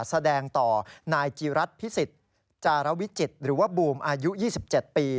แสดงต่อนายจีรัฐพิสิทธิ์จารวิจิตรหรือว่าบูมอายุ๒๗ปี